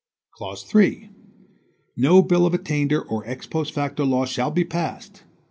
Clause 3 "No bill of attainder or ex post facto law shall be passed."